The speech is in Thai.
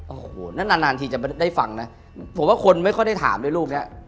โอ้โหนานทีจะได้ฟังนะผมว่าคนไม่ค่อยได้ถามเลยลูกเนี่ย